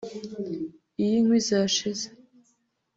Iyo inkwi zashize